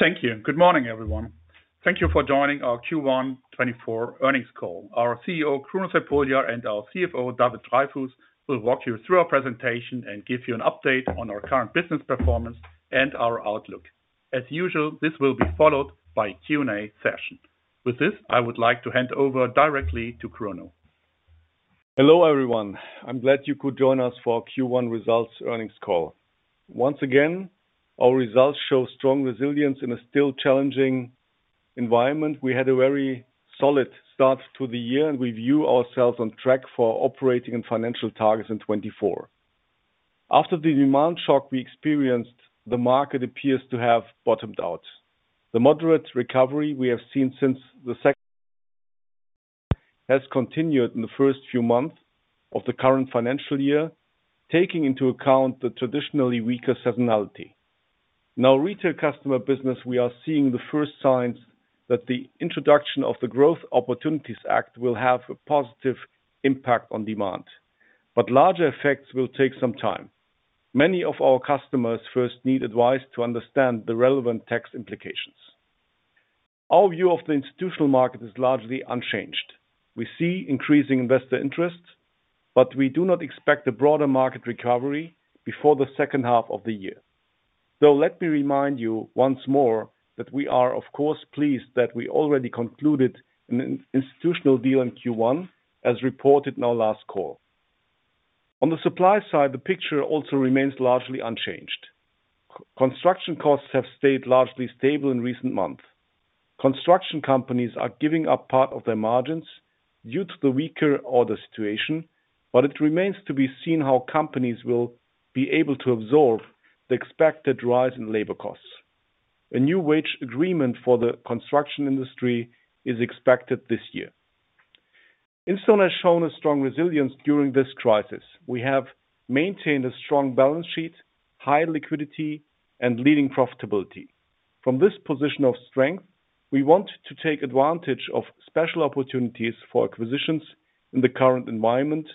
Thank you, and good morning, everyone. Thank you for joining our Q1 2024 earnings call. Our CEO, Kruno Crepulja, and our CFO, David Dreyfus, will walk you through our presentation and give you an update on our current business performance and our outlook. As usual, this will be followed by a Q&A session. With this, I would like to hand over directly to Kruno. Hello, everyone. I'm glad you could join us for our Q1 results earnings call. Once again, our results show strong resilience in a still challenging environment. We had a very solid start to the year, and we view ourselves on track for operating and financial targets in 2024. After the demand shock we experienced, the market appears to have bottomed out. The moderate recovery we have seen since the second, has continued in the first few months of the current financial year, taking into account the traditionally weaker seasonality. In our retail customer business, we are seeing the first signs that the introduction of the Growth Opportunities Act will have a positive impact on demand, but larger effects will take some time. Many of our customers first need advice to understand the relevant tax implications. Our view of the institutional market is largely unchanged. We see increasing investor interest, but we do not expect a broader market recovery before the second half of the year. Let me remind you once more that we are, of course, pleased that we already concluded an institutional deal in Q1, as reported in our last call. On the supply side, the picture also remains largely unchanged. Construction costs have stayed largely stable in recent months. Construction companies are giving up part of their margins due to the weaker order situation, but it remains to be seen how companies will be able to absorb the expected rise in labor costs. A new wage agreement for the construction industry is expected this year. Instone has shown a strong resilience during this crisis. We have maintained a strong balance sheet, high liquidity, and leading profitability. From this position of strength, we want to take advantage of special opportunities for acquisitions in the current environment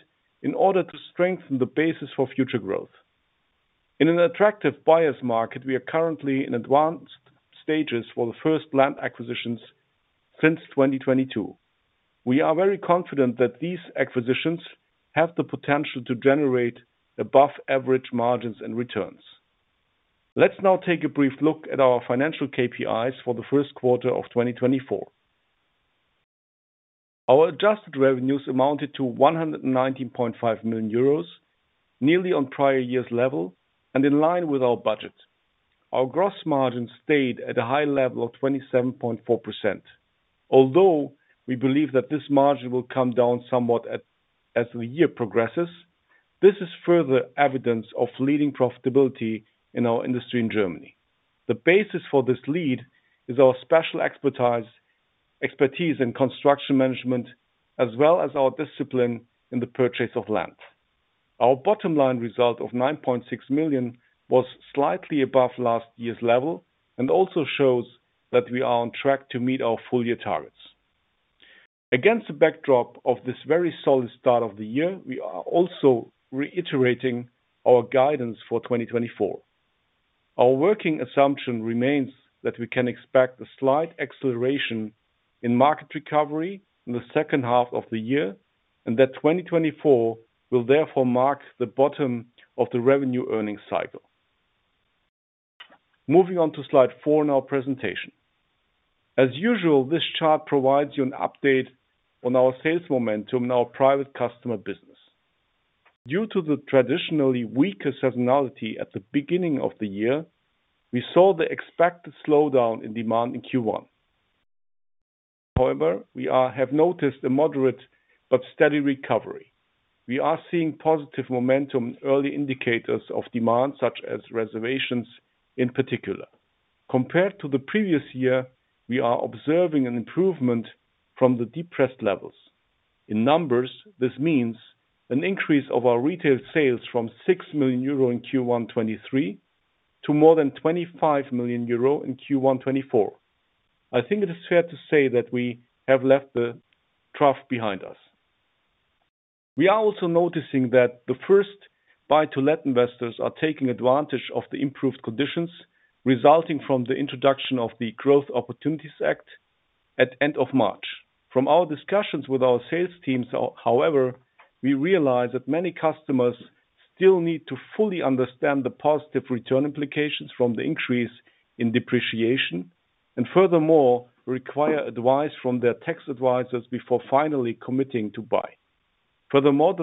in order to strengthen the basis for future growth. In an attractive buyer's market, we are currently in advanced stages for the first land acquisitions since 2022. We are very confident that these acquisitions have the potential to generate above-average margins and returns. Let's now take a brief look at our financial KPIs for the first quarter of 2024. Our adjusted revenues amounted to 119.5 million euros, nearly on prior year's level and in line with our budget. Our gross margin stayed at a high level of 27.4%. Although we believe that this margin will come down somewhat as the year progresses, this is further evidence of leading profitability in our industry in Germany. The basis for this lead is our special expertise, expertise in construction management, as well as our discipline in the purchase of land. Our bottom-line result of 9.6 million was slightly above last year's level and also shows that we are on track to meet our full-year targets. Against the backdrop of this very solid start of the year, we are also reiterating our guidance for 2024. Our working assumption remains that we can expect a slight acceleration in market recovery in the second half of the year, and that 2024 will therefore mark the bottom of the revenue earning cycle. Moving on to slide 4 in our presentation. As usual, this chart provides you an update on our sales momentum in our private customer business. Due to the traditionally weaker seasonality at the beginning of the year, we saw the expected slowdown in demand in Q1. However, we have noticed a moderate but steady recovery. We are seeing positive momentum, early indicators of demand, such as reservations in particular. Compared to the previous year, we are observing an improvement from the depressed levels. In numbers, this means an increase of our retail sales from 6 million euro in Q1 2023 to more than 25 million euro in Q1 2024. I think it is fair to say that we have left the trough behind us. We are also noticing that the first buy-to-let investors are taking advantage of the improved conditions resulting from the introduction of the Growth Opportunities Act at end of March. From our discussions with our sales teams, however, we realize that many customers still need to fully understand the positive return implications from the increase in depreciation, and furthermore, require advice from their tax advisors before finally committing to buy. Furthermore,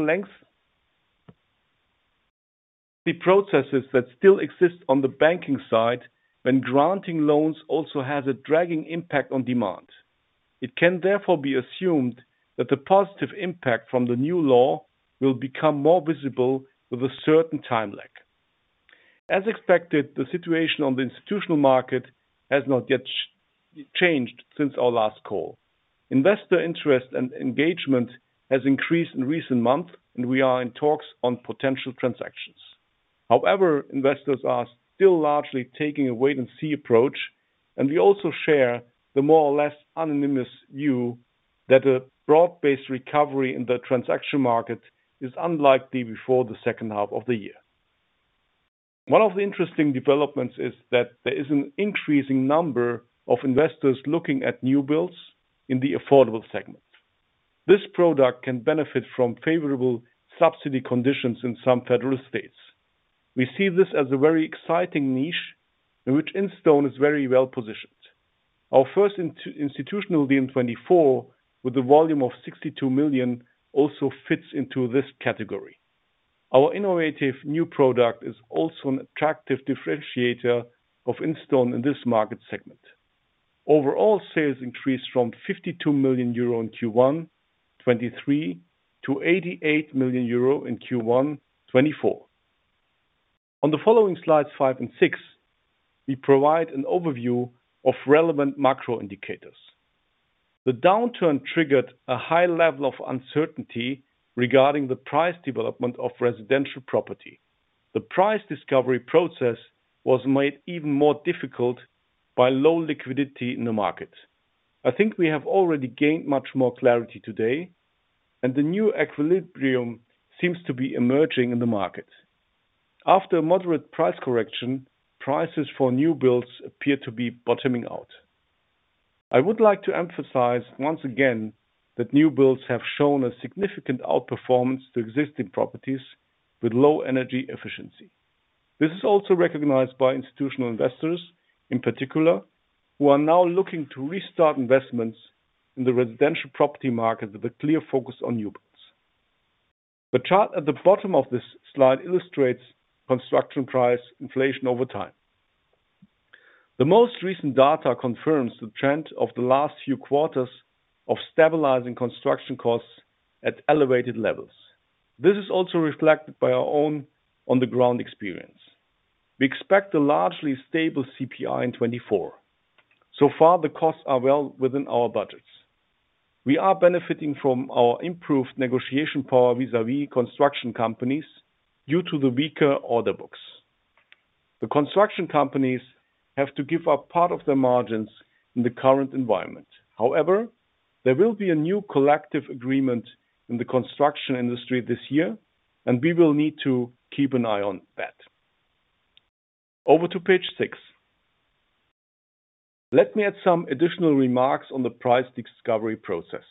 the processes that still exist on the banking side when granting loans also has a dragging impact on demand. It can therefore be assumed that the positive impact from the new law will become more visible with a certain time lag. As expected, the situation on the institutional market has not yet changed since our last call. Investor interest and engagement has increased in recent months, and we are in talks on potential transactions. However, investors are still largely taking a wait-and-see approach, and we also share the more or less unanimous view-...that a broad-based recovery in the transaction market is unlikely before the second half of the year. One of the interesting developments is that there is an increasing number of investors looking at new builds in the affordable segment. This product can benefit from favorable subsidy conditions in some federal states. We see this as a very exciting niche, in which Instone is very well positioned. Our first institutional deal in 2024, with a volume of 62 million, also fits into this category. Our innovative new product is also an attractive differentiator of Instone in this market segment. Overall, sales increased from 52 million euro in Q1 2023 to 88 million euro in Q1 2024. On the following slides, five and six, we provide an overview of relevant macro indicators. The downturn triggered a high level of uncertainty regarding the price development of residential property. The price discovery process was made even more difficult by low liquidity in the market. I think we have already gained much more clarity today, and the new equilibrium seems to be emerging in the market. After a moderate price correction, prices for new builds appear to be bottoming out. I would like to emphasize once again that new builds have shown a significant outperformance to existing properties with low energy efficiency. This is also recognized by institutional investors, in particular, who are now looking to restart investments in the residential property market with a clear focus on new builds. The chart at the bottom of this slide illustrates construction price inflation over time. The most recent data confirms the trend of the last few quarters of stabilizing construction costs at elevated levels. This is also reflected by our own on-the-ground experience. We expect a largely stable CPI in 2024. So far, the costs are well within our budgets. We are benefiting from our improved negotiation power vis-a-vis construction companies due to the weaker order books. The construction companies have to give up part of their margins in the current environment. However, there will be a new collective agreement in the construction industry this year, and we will need to keep an eye on that. Over to page six. Let me add some additional remarks on the price discovery process.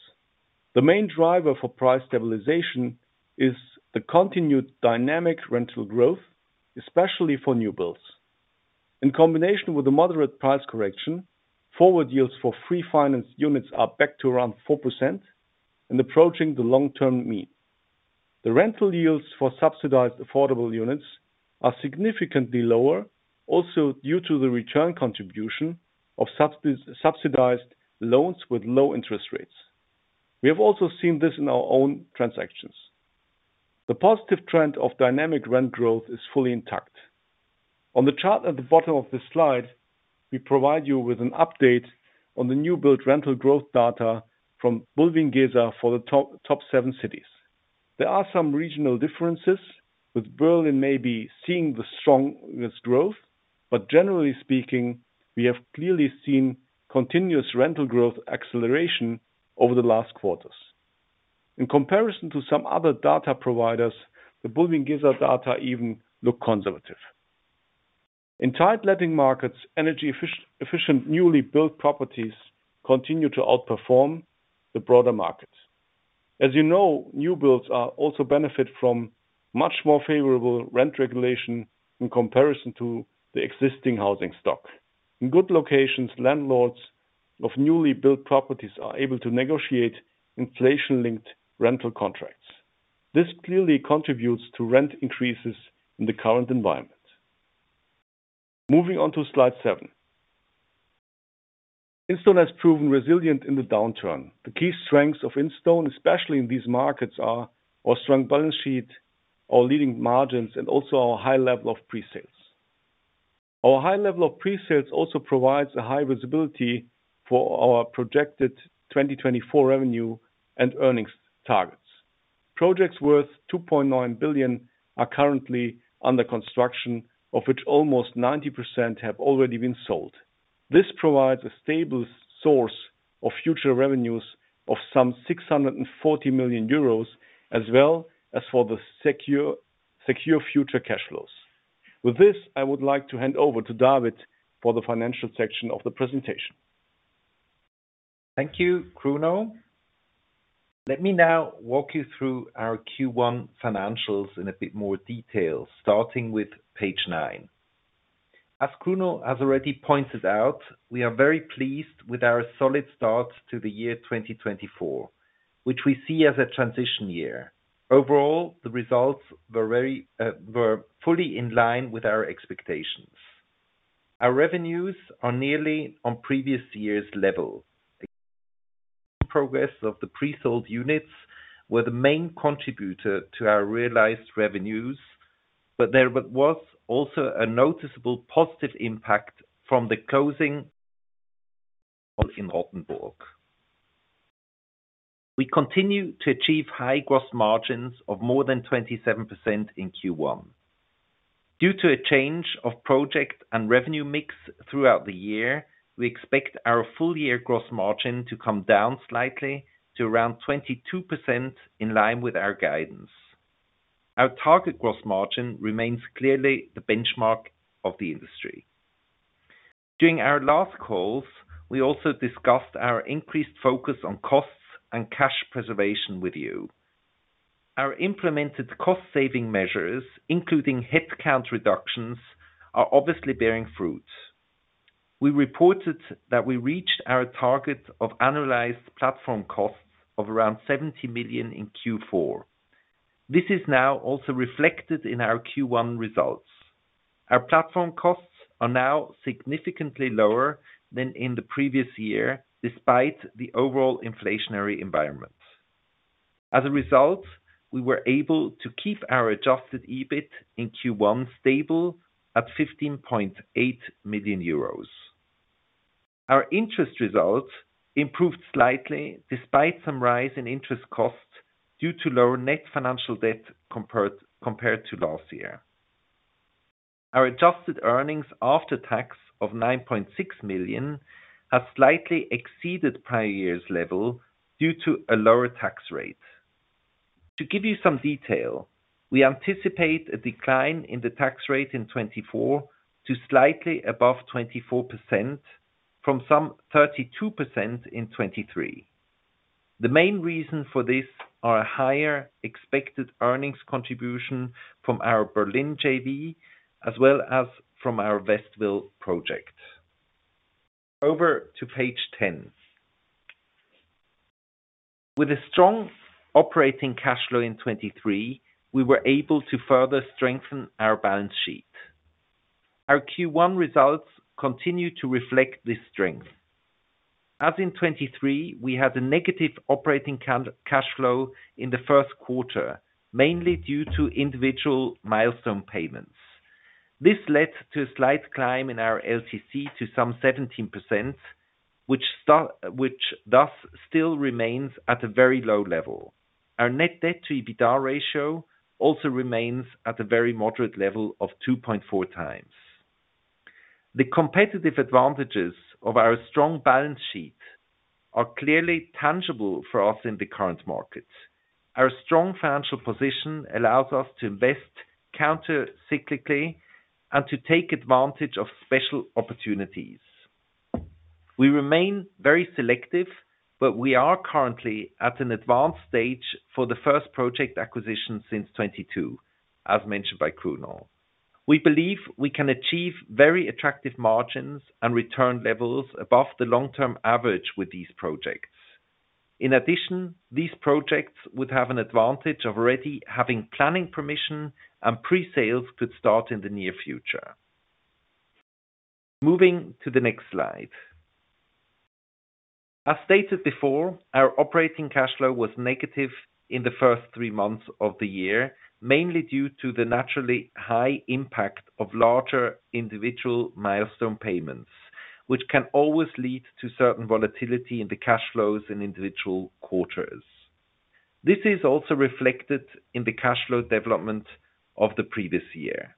The main driver for price stabilization is the continued dynamic rental growth, especially for new builds. In combination with the moderate price correction, forward yields for free finance units are back to around 4% and approaching the long-term mean. The rental yields for subsidized affordable units are significantly lower, also due to the return contribution of subsidized loans with low interest rates. We have also seen this in our own transactions. The positive trend of dynamic rent growth is fully intact. On the chart at the bottom of this slide, we provide you with an update on the new build rental growth data from Bulwiengesa for the top seven cities. There are some regional differences, with Berlin maybe seeing the strongest growth, but generally speaking, we have clearly seen continuous rental growth acceleration over the last quarters. In comparison to some other data providers, the Bulwiengesa data even look conservative. In tight letting markets, energy efficient, newly built properties continue to outperform the broader markets. As you know, new builds also benefit from much more favorable rent regulation in comparison to the existing housing stock. In good locations, landlords of newly built properties are able to negotiate inflation-linked rental contracts. This clearly contributes to rent increases in the current environment. Moving on to slide 7. Instone has proven resilient in the downturn. The key strengths of Instone, especially in these markets, are our strong balance sheet, our leading margins, and also our high level of pre-sales. Our high level of pre-sales also provides a high visibility for our projected 2024 revenue and earnings targets. Projects worth 2.9 billion are currently under construction, of which almost 90% have already been sold. This provides a stable source of future revenues of some 640 million euros, as well as for the secure, secure future cash flows. With this, I would like to hand over to David for the financial section of the presentation. Thank you, Kruno. Let me now walk you through our Q1 financials in a bit more detail, starting with page 9. As Kruno has already pointed out, we are very pleased with our solid start to the year 2024, which we see as a transition year. Overall, the results were very were fully in line with our expectations. Our revenues are nearly on previous year's level. Progress of the pre-sold units were the main contributor to our realized revenues, but there was also a noticeable positive impact from the closing in Rothenburg. We continue to achieve high gross margins of more than 27% in Q1. Due to a change of project and revenue mix throughout the year, we expect our full year gross margin to come down slightly to around 22%, in line with our guidance. Our target gross margin remains clearly the benchmark of the industry. During our last calls, we also discussed our increased focus on costs and cash preservation with you. Our implemented cost-saving measures, including headcount reductions, are obviously bearing fruit. We reported that we reached our target of annualized platform costs of around 70 million in Q4. This is now also reflected in our Q1 results. Our platform costs are now significantly lower than in the previous year, despite the overall inflationary environment. As a result, we were able to keep our adjusted EBIT in Q1 stable at 15.8 million euros. Our interest results improved slightly, despite some rise in interest costs, due to lower net financial debt compared to last year. Our adjusted earnings after tax of 9.6 million have slightly exceeded prior year's level due to a lower tax rate. To give you some detail, we anticipate a decline in the tax rate in 2024 to slightly above 24% from some 32% in 2023. The main reason for this are a higher expected earnings contribution from our Berlin JV, as well as from our Westville project. Over to page ten. With a strong operating cash flow in 2023, we were able to further strengthen our balance sheet. Our Q1 results continue to reflect this strength. As in 2023, we had a negative operating cash flow in the first quarter, mainly due to individual milestone payments. This led to a slight climb in our LTC to some 17%, which thus still remains at a very low level. Our net debt to EBITDA ratio also remains at a very moderate level of 2.4 times. The competitive advantages of our strong balance sheet are clearly tangible for us in the current market. Our strong financial position allows us to invest countercyclically and to take advantage of special opportunities. We remain very selective, but we are currently at an advanced stage for the first project acquisition since 2022, as mentioned by Kruno. We believe we can achieve very attractive margins and return levels above the long-term average with these projects. In addition, these projects would have an advantage of already having planning permission and pre-sales could start in the near future. Moving to the next slide. As stated before, our operating cash flow was negative in the first three months of the year, mainly due to the naturally high impact of larger individual milestone payments, which can always lead to certain volatility in the cash flows in individual quarters. This is also reflected in the cash flow development of the previous year.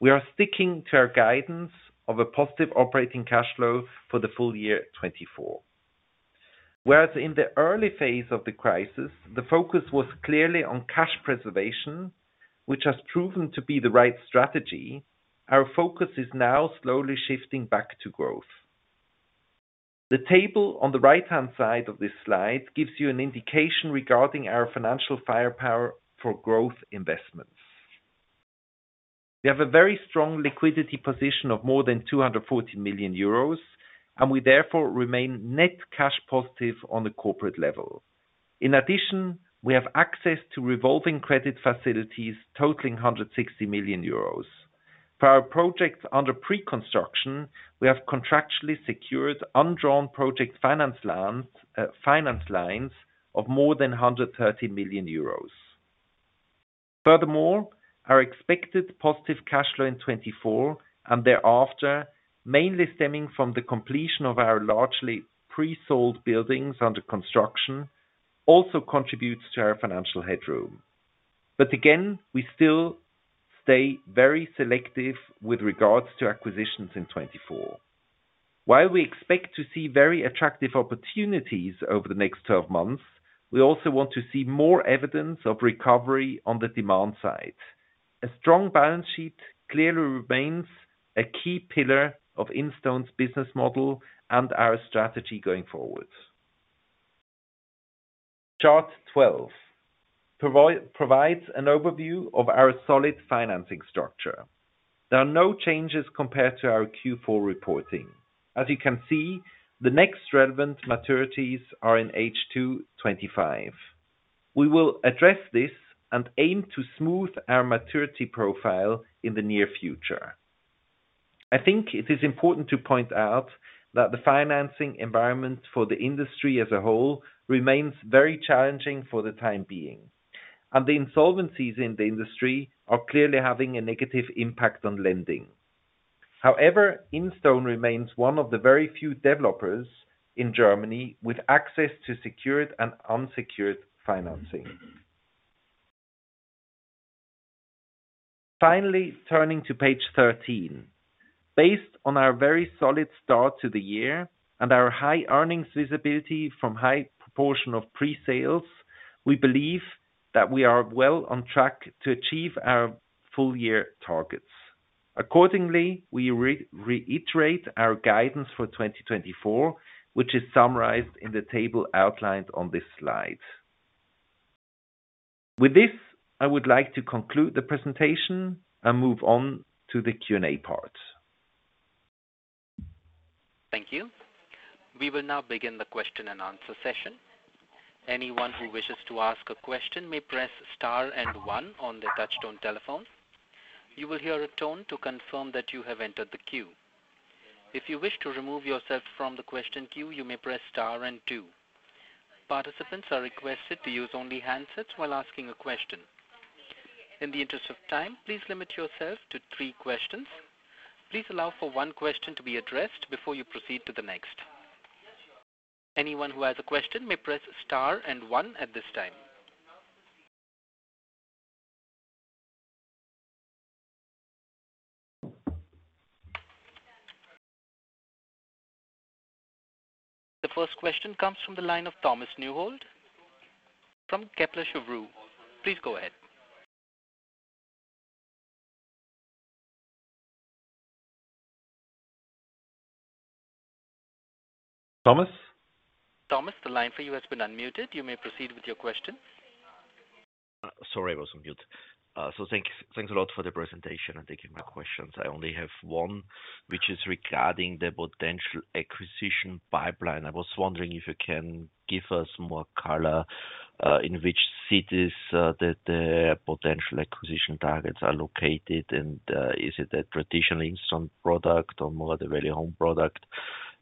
We are sticking to our guidance of a positive operating cash flow for the full year 2024. Whereas in the early phase of the crisis, the focus was clearly on cash preservation, which has proven to be the right strategy, our focus is now slowly shifting back to growth. The table on the right-hand side of this slide gives you an indication regarding our financial firepower for growth investments. We have a very strong liquidity position of more than 240 million euros, and we therefore remain net cash positive on the corporate level. In addition, we have access to revolving credit facilities totaling 160 million euros. For our projects under pre-construction, we have contractually secured undrawn project finance lands, finance lines of more than 130 million euros. Furthermore, our expected positive cash flow in 2024 and thereafter, mainly stemming from the completion of our largely pre-sold buildings under construction, also contributes to our financial headroom. But again, we still stay very selective with regards to acquisitions in 2024. While we expect to see very attractive opportunities over the next 12 months, we also want to see more evidence of recovery on the demand side. A strong balance sheet clearly remains a key pillar of Instone's business model and our strategy going forward. Chart 12 provides an overview of our solid financing structure. There are no changes compared to our Q4 reporting. As you can see, the next relevant maturities are in H2 2025. We will address this and aim to smooth our maturity profile in the near future. I think it is important to point out that the financing environment for the industry as a whole remains very challenging for the time being, and the insolvencies in the industry are clearly having a negative impact on lending.... However, Instone remains one of the very few developers in Germany with access to secured and unsecured financing. Finally, turning to page 13. Based on our very solid start to the year and our high earnings visibility from high proportion of pre-sales, we believe that we are well on track to achieve our full year targets. Accordingly, we reiterate our guidance for 2024, which is summarized in the table outlined on this slide. With this, I would like to conclude the presentation and move on to the Q&A part. Thank you. We will now begin the question and answer session. Anyone who wishes to ask a question may press star and one on their touchtone telephones. You will hear a tone to confirm that you have entered the queue. If you wish to remove yourself from the question queue, you may press star and two. Participants are requested to use only handsets while asking a question. In the interest of time, please limit yourself to three questions. Please allow for one question to be addressed before you proceed to the next. Anyone who has a question may press star and one at this time. The first question comes from the line of Thomas Neuhold from Kepler Cheuvreux. Please go ahead. Thomas? Thomas, the line for you has been unmuted. You may proceed with your question. Sorry, I was on mute. Thanks a lot for the presentation, and thank you, my questions. I only have one, which is regarding the potential acquisition pipeline. I was wondering if you can give us more color in which cities that the potential acquisition targets are located, and is it a traditional Instone product or more the value home product?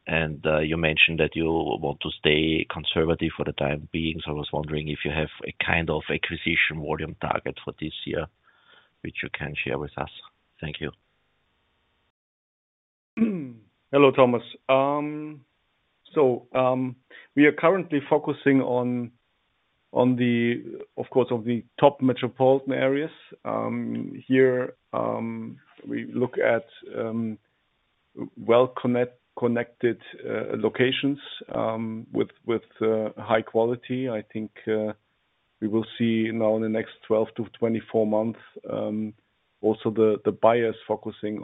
You mentioned that you want to stay conservative for the time being, so I was wondering if you have a kind of acquisition volume target for this year, which you can share with us. Thank you. Hello, Thomas. So, we are currently focusing on, of course, the top metropolitan areas. Here, we look at well-connected locations with high quality. I think we will see now in the next 12-24 months also the buyers focusing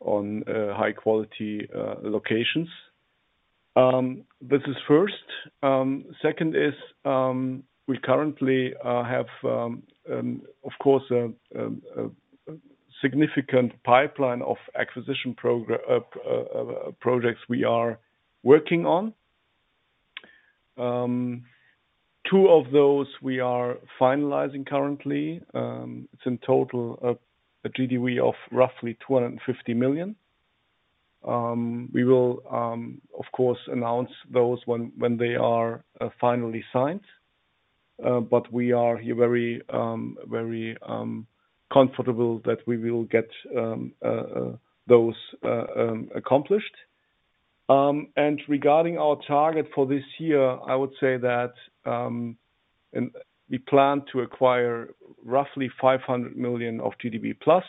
on high quality locations. This is first. Second is, we currently have, of course, a significant pipeline of acquisition projects we are working on. Two of those we are finalizing currently. It's in total a GDV of roughly 250 million. We will, of course, announce those when they are finally signed. But we are very, very comfortable that we will get those accomplished. And regarding our target for this year, I would say that and we plan to acquire roughly 500 million of GDV plus.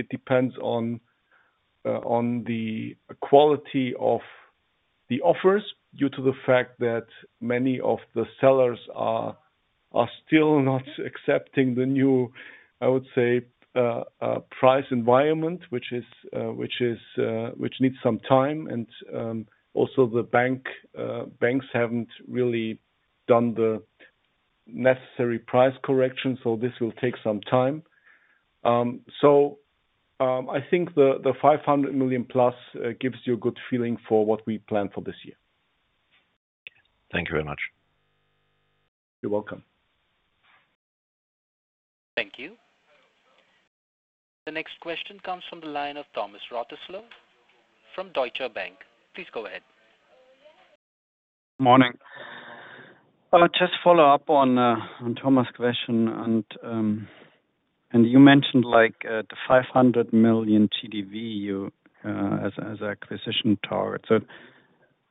It depends on the quality of the offers due to the fact that many of the sellers are still not accepting the new, I would say, price environment, which needs some time. And also the banks haven't really done the necessary price correction, so this will take some time. So I think the 500 million plus gives you a good feeling for what we plan for this year. Thank you very much. You're welcome. Thank you. The next question comes from the line of Thomas Rothäusler from Deutsche Bank. Please go ahead. Morning. I'll just follow up on, on Thomas' question, and, and you mentioned, like, the 500 million GDV, you, as, as an acquisition target. So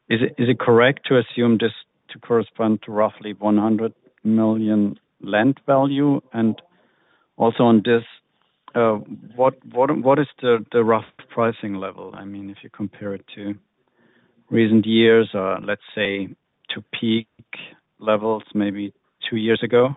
is it, is it correct to assume this to correspond to roughly 100 million land value? And also on this, what, what, what is the, the rough pricing level? I mean, if you compare it to recent years or let's say, to peak levels, maybe two years ago.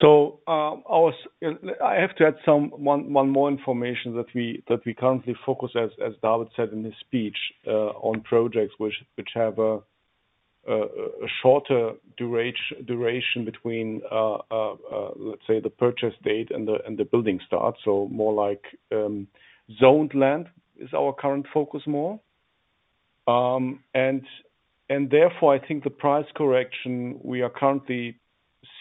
So, I have to add some more information that we currently focus, as David said in his speech, on projects which have a shorter duration between, let's say, the purchase date and the building start. So more like, zoned land is our current focus more. And therefore, I think the price correction we are currently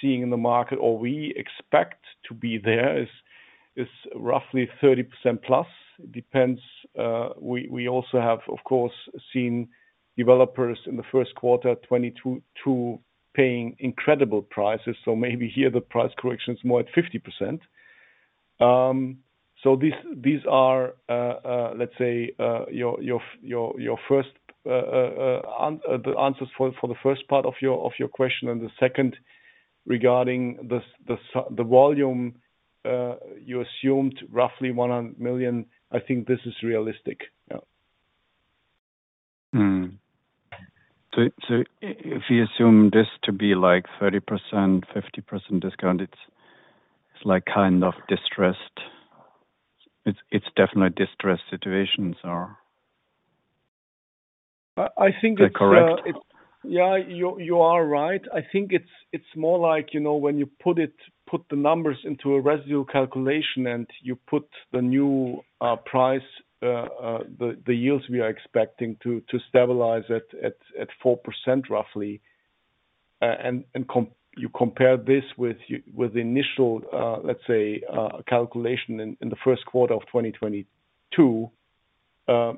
seeing in the market or we expect to be there is roughly 30% plus. It depends, we also have, of course, seen developers in the first quarter 2022 paying incredible prices. So maybe here the price correction is more at 50%. So these are, let's say, the answers for the first part of your question and the second regarding the volume. You assumed roughly 100 million. I think this is realistic. Yeah. Hmm. So if you assume this to be like 30%, 50% discount, it's like kind of distressed. It's definitely distressed situations or- I think it's Is that correct? Yeah, you are right. I think it's more like, you know, when you put the numbers into a residual calculation and you put the new price, the yields we are expecting to stabilize at 4% roughly, and you compare this with the initial, let's say, calculation in the first quarter of 2022,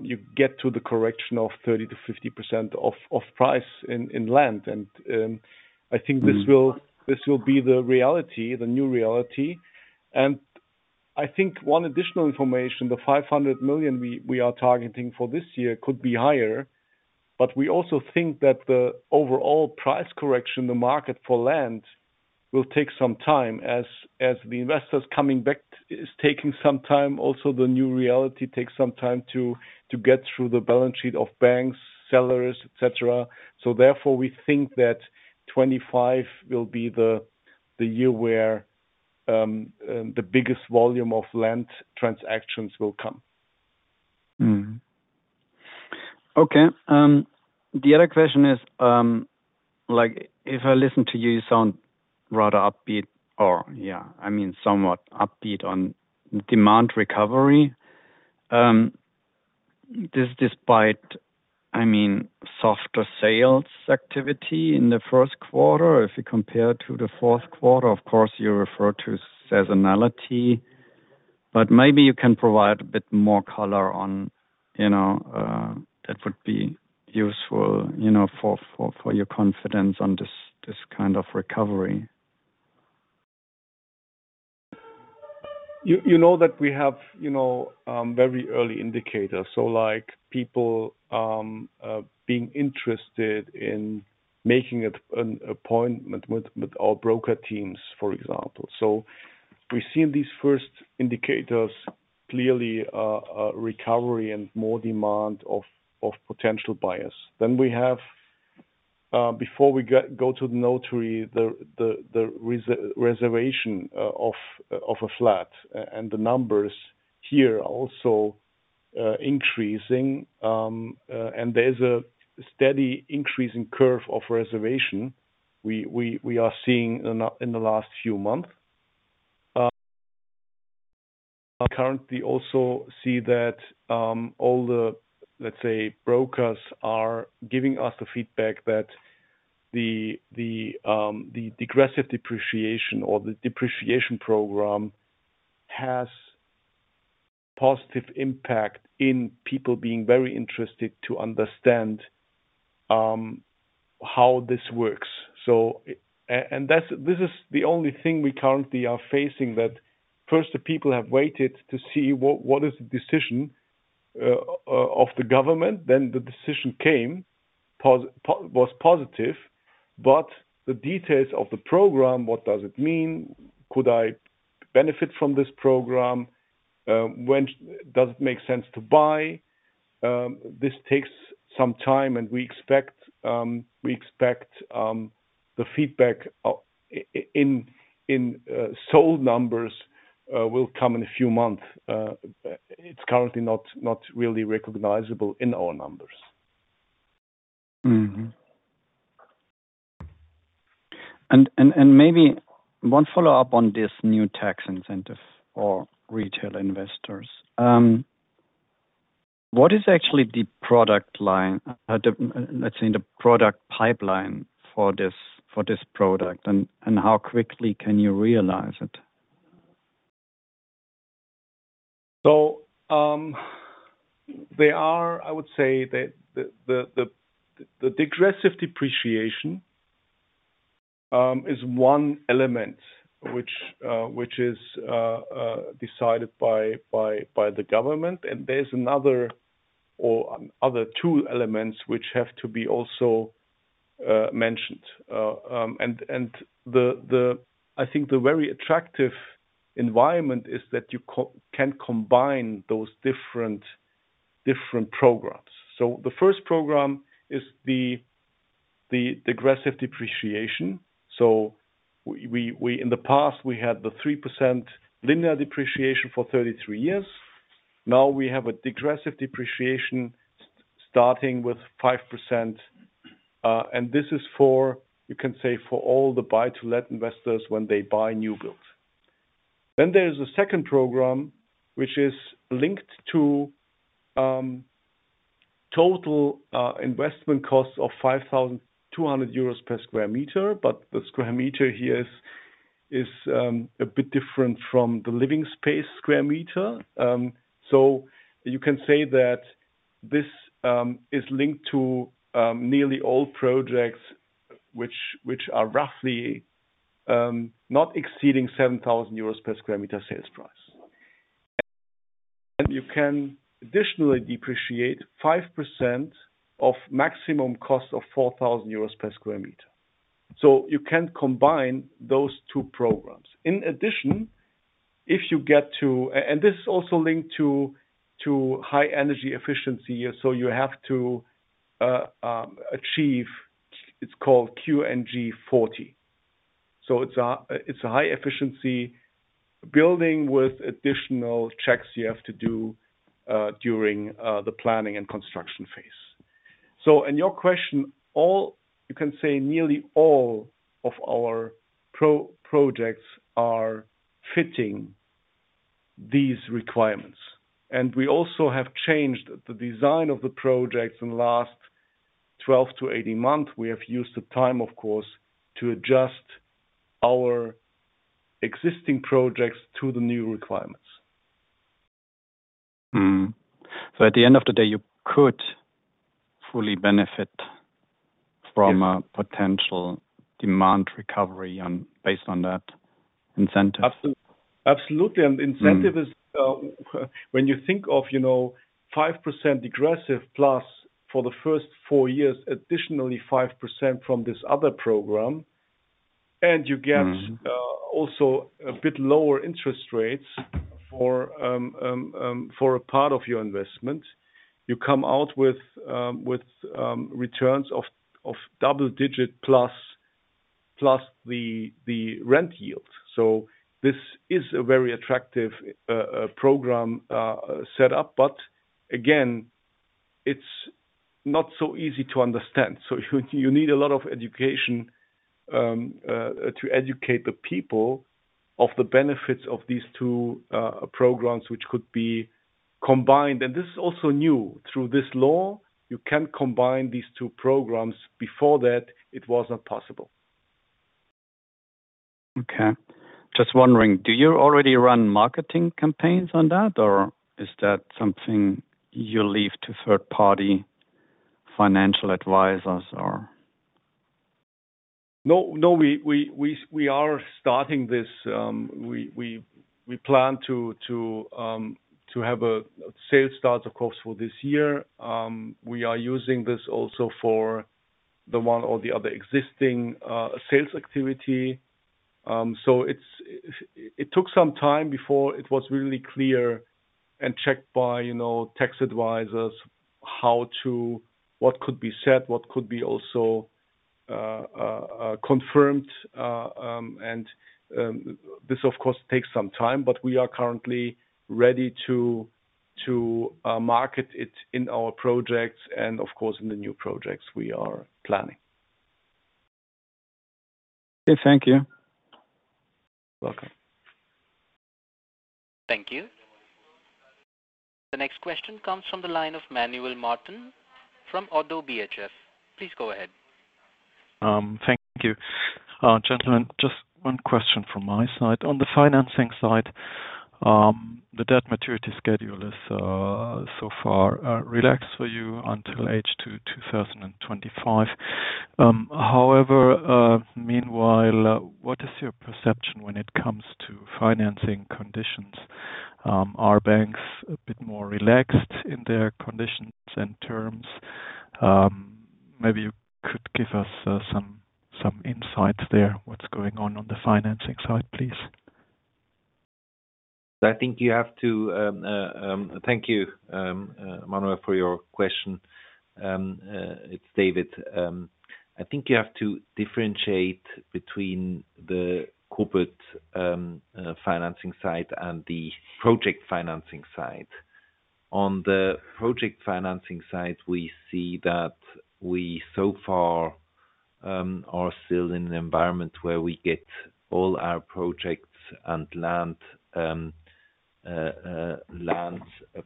you get to the correction of 30% to 50% of price in land. And I think- Mm... this will be the reality, the new reality. And I think one additional information, the 500 million we are targeting for this year could be higher. But we also think that the overall price correction, the market for land, will take some time as the investors coming back is taking some time. Also, the new reality takes some time to get through the balance sheet of banks, sellers, et cetera. So therefore, we think that 2025 will be the year where the biggest volume of land transactions will come. Mm-hmm. Okay. The other question is, like, if I listen to you, you sound rather upbeat or, yeah, I mean, somewhat upbeat on demand recovery. This despite, I mean, softer sales activity in the first quarter, if you compare to the fourth quarter, of course, you refer to seasonality, but maybe you can provide a bit more color on, you know, that would be useful, you know, for your confidence on this kind of recovery. You know that we have, you know, very early indicators. So like people being interested in making an appointment with our broker teams, for example. So we've seen these first indicators clearly, recovery and more demand of potential buyers. Then we have, before we go to the notary, the reservation of a flat, and the numbers here are also increasing. And there's a steady increase in curve of reservation we are seeing in the last few months. Currently also see that all the, let's say, brokers are giving us the feedback that the degressive depreciation or the depreciation program has positive impact in people being very interested to understand how this works. So, and that's, this is the only thing we currently are facing, that first, the people have waited to see what is the decision of the government. Then the decision came, was positive, but the details of the program, what does it mean? Could I benefit from this program? When does it make sense to buy? This takes some time, and we expect the feedback in sold numbers will come in a few months. It's currently not really recognizable in our numbers. Mm-hmm. And maybe one follow-up on this new tax incentive for retail investors. What is actually the product line, let's say, the product pipeline for this, for this product? And how quickly can you realize it? So, they are—I would say that the aggressive depreciation is one element which is decided by the government, and there's another or other two elements which have to be also mentioned. I think the very attractive environment is that you can combine those different programs. So the first program is the aggressive depreciation. So in the past, we had the 3% linear depreciation for 33 years. Now we have a aggressive depreciation starting with 5%, and this is for, you can say, for all the buy-to-let investors when they buy new builds. Then there is a second program, which is linked to... Total, investment costs of 5,200 euros per sq m, but the sq m here is a bit different from the living space sq m. So you can say that this is linked to nearly all projects which are roughly not exceeding 7,000 euros per sq m sales price. And you can additionally depreciate 5% of maximum cost of 4,000 euros per sq m. So you can combine those two programs. In addition, if you get to and this is also linked to high energy efficiency, so you have to achieve, it's called QNG 40. So it's a high efficiency building with additional checks you have to do during the planning and construction phase. In your question, all, you can say nearly all of our projects are fitting these requirements. We also have changed the design of the projects in the last 12 to 18 months. We have used the time, of course, to adjust our existing projects to the new requirements. Mm-hmm. So at the end of the day, you could fully benefit from- Yes... a potential demand recovery on, based on that incentive? Abso- absolutely. Mm-hmm. Incentive is, when you think of, you know, 5% aggressive plus for the first four years, additionally, 5% from this other program, and you get- Mm-hmm... also a bit lower interest rates for a part of your investment. You come out with returns of double digit plus, plus the rent yields. So this is a very attractive program set up, but again, it's not so easy to understand. So you need a lot of education to educate the people of the benefits of these two programs, which could be combined. And this is also new. Through this law, you can combine these two programs. Before that, it was not possible. Okay. Just wondering, do you already run marketing campaigns on that, or is that something you leave to third-party financial advisors, or? No, no, we are starting this, we plan to have a sales start, of course, for this year. We are using this also for the one or the other existing sales activity. So it took some time before it was really clear and checked by, you know, tax advisors, how to... What could be said, what could be also confirmed. And this, of course, takes some time, but we are currently ready to market it in our projects and of course, in the new projects we are planning. Okay, thank you. Welcome. Thank you. The next question comes from the line of Manuel Martin from Oddo BHF. Please go ahead. Thank you. Gentlemen, just one question from my side. On the financing side, the debt maturity schedule is so far relaxed for you until H2 2025. However, meanwhile, what is your perception when it comes to financing conditions? Are banks a bit more relaxed in their conditions and terms? Maybe you could give us some insight there. What's going on the financing side, please? Thank you, Manuel, for your question. It's David. I think you have to differentiate between the corporate financing side and the project financing side. On the project financing side, we see that we so far are still in an environment where we get all our projects and land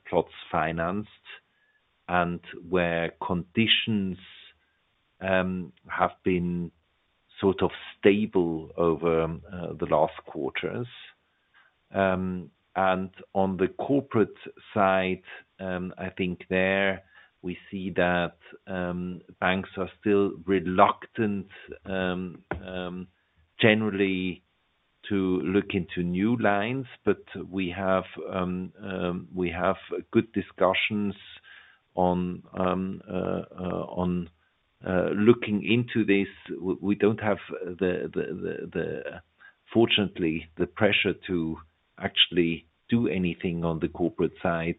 plots financed, and where conditions have been sort of stable over the last quarters. And on the corporate side, I think there we see that banks are still reluctant generally to look into new lines, but we have good discussions on looking into this. We don't have the pressure, fortunately, to actually do anything on the corporate side,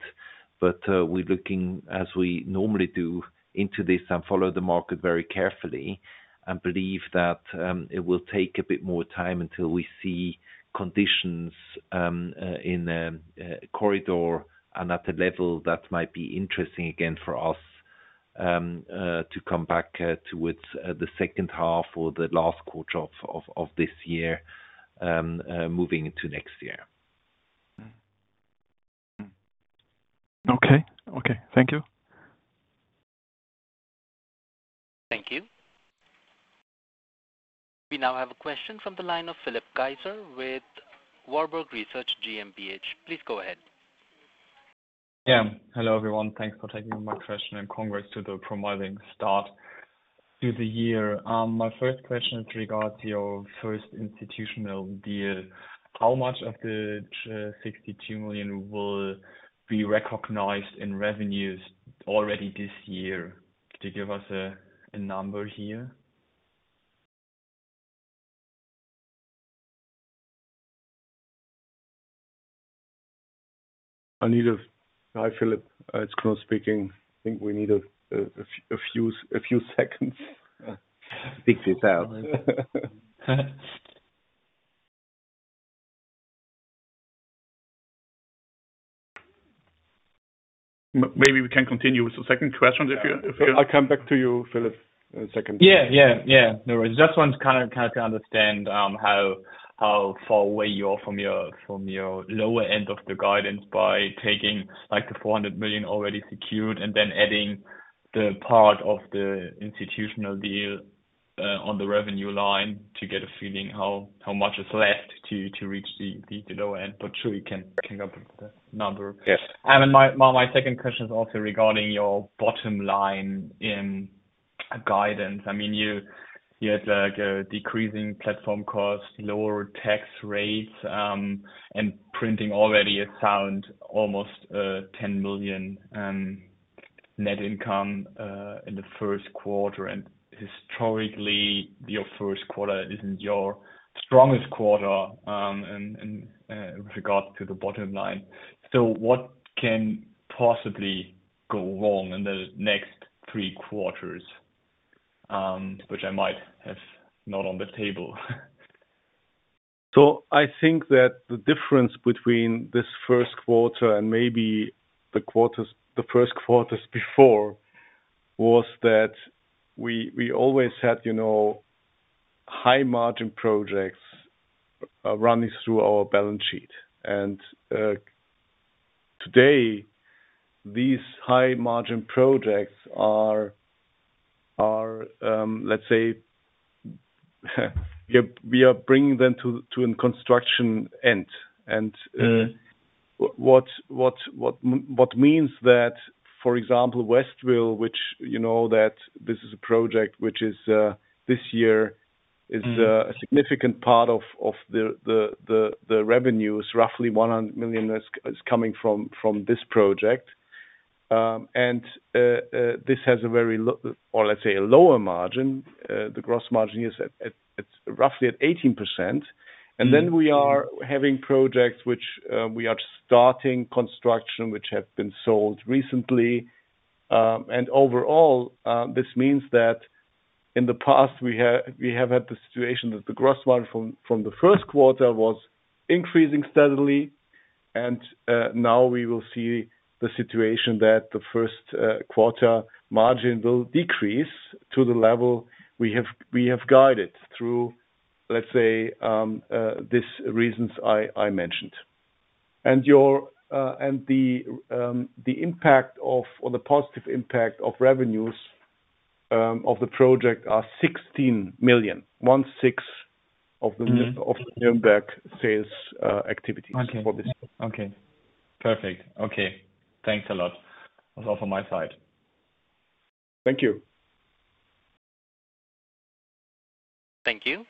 but we're looking, as we normally do, into this and follow the market very carefully, and believe that it will take a bit more time until we see conditions in the corridor and at a level that might be interesting again for us to come back towards the second half or the last quarter of this year moving into next year. ... Okay. Okay, thank you. Thank you. We now have a question from the line of Philipp Kaiser with Warburg Research GmbH. Please go ahead. Yeah. Hello, everyone. Thanks for taking my question, and congrats to the promising start to the year. My first question is regards to your first institutional deal. How much of the 62 million will be recognized in revenues already this year? Could you give us a number here? Hi, Philip, it's Kruno speaking. I think we need a few seconds to fix this out. Maybe we can continue with the second question if you... I'll come back to you, Philipp, in a second. Yeah, yeah, yeah. No worries. Just want to kinda understand how far away you are from your lower end of the guidance by taking, like, the 400 million already secured, and then adding the part of the institutional deal on the revenue line to get a feeling how much is left to reach the lower end, but sure we can pick up the number. Yes. My second question is also regarding your bottom line in guidance. I mean, you had, like, a decreasing platform cost, lower tax rates, and printing already a sound, almost, 10 million net income in the first quarter. And historically, your first quarter isn't your strongest quarter in regards to the bottom line. So what can possibly go wrong in the next three quarters, which I might have not on the table? So I think that the difference between this first quarter and maybe the quarters, the first quarters before, was that we always had, you know, high margin projects running through our balance sheet. And today, these high margin projects are, let's say, we are bringing them to a construction end. And- Mm. What means that, for example, Westville, which you know that this is a project which is this year- Mm... is a significant part of the revenues, roughly 100 million is coming from this project. And this has a very or let's say a lower margin. The gross margin is roughly at 18%. Mm. And then we are having projects which we are starting construction, which have been sold recently. And overall, this means that in the past we have, we have had the situation that the gross margin from the first quarter was increasing steadily, and now we will see the situation that the first quarter margin will decrease to the level we have, we have guided through, let's say, these reasons I mentioned. And the impact of, or the positive impact of revenues of the project are 16 million, 16 of the- Mm... of the Nürnberg sales activities. Okay. For this. Okay. Perfect. Okay, thanks a lot. That's all from my side. Thank you. Thank you.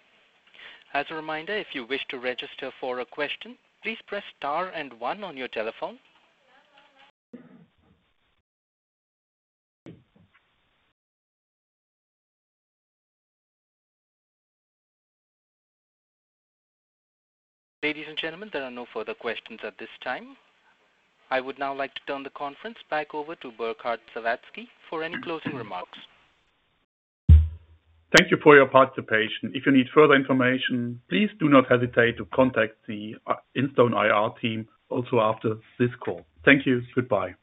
As a reminder, if you wish to register for a question, please press star and one on your telephone. Ladies and gentlemen, there are no further questions at this time. I would now like to turn the conference back over to Burkhard Sawazki for any closing remarks. Thank you for your participation. If you need further information, please do not hesitate to contact the Instone IR team also after this call. Thank you. Goodbye.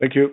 Thank you.